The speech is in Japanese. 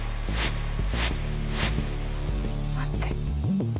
待って。